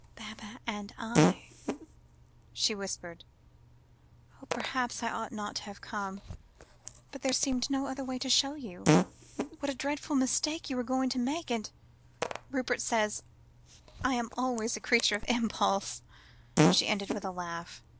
"Baba and I," she whispered. "Oh! perhaps I ought not to have come, but there seemed no other way to show you what a dreadful mistake you were going to make, and Rupert says I am always a creature of impulse," she ended with a little laugh.